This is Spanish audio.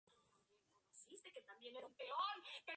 Este fallo hace que el sistema no se use apenas.